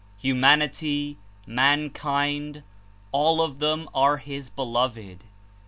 Humanity, mankind, all of them are his beloved.